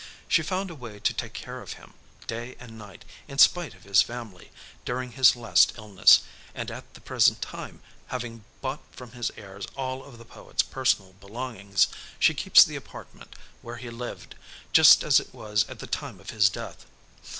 She found a way to take care of him, day and night, in spite of his family, during his last illness, and at the present time, having bought from his heirs all of the poet's personal belongings, she keeps the apartment where he lived just as it was at the time of his death.